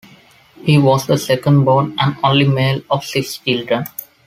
He was the second born and only male of six children.